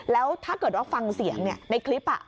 แล้วถ้าเกิดว่าฟังเสียงเนี่ยในคลิปอ่ะ